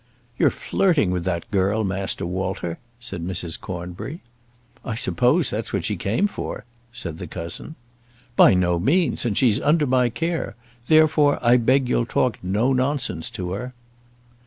"You're flirting with that girl, Master Walter," said Mrs. Cornbury. "I suppose that's what she came for," said the cousin. "By no means, and she's under my care; therefore I beg you'll talk no nonsense to her."